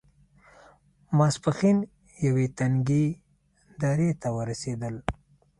ماسپښين يوې تنګې درې ته ورسېدل.